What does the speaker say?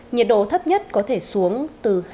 nhiệt độ thấp nhất có thể xuống từ hai